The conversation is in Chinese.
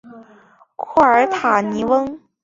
库尔塔尼翁。